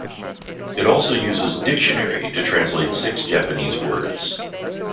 It also uses "dictionary" to translate six Japanese words.